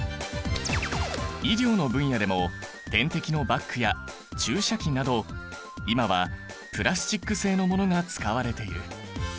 医療の分野でも点滴のバッグや注射器など今はプラスチック製のものが使われている。